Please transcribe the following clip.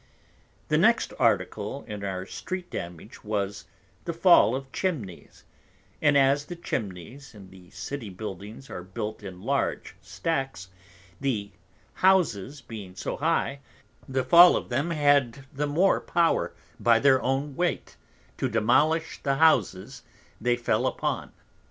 The next Article in our Street Damage was, the Fall of Chimneys; and as the Chimneys in the City Buildings are built in large Stacks, the Houses being so high, the Fall of them had the more Power, by their own Weight, to demolish the Houses they fell upon.